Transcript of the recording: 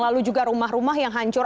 lalu juga rumah rumah yang hancur